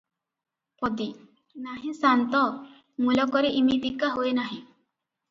ପଦୀ-ନାହିଁ ସାନ୍ତ! ମୁଲକରେ ଇମିତିକା ହୁଏ ନାହିଁ ।